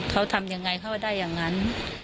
เขาทำยังไงเขาได้อย่างนั้น